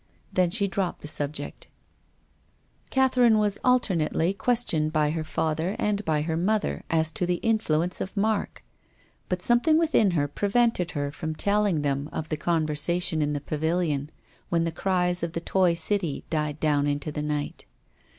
Then she dropped the subject. Catherine was alternately questioned by her father and by her mother as to the influence of Mark. But something within her prevented her from telling them of the conversation in the Pavilion, when the cries of the toy city died down into the night.